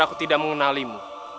aku tidak mengenalimu